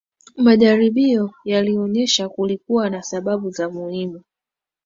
majaribio yalionyesha kulikuwa na sababu za muhimu